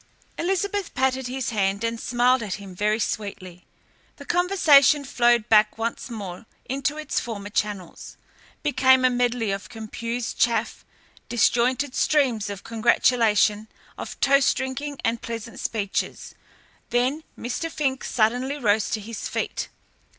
Elizabeth patted his hand and smiled at him very sweetly. The conversation flowed back once more into its former channels, became a medley of confused chaff, disjointed streams of congratulation, of toast drinking and pleasant speeches. Then Mr. Fink suddenly rose to his feet.